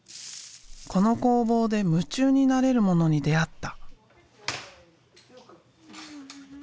この工房で夢中になれるものに出会った。